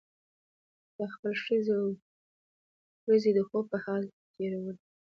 ده خپلې شپې او ورځې د خوب په حال کې تېرولې.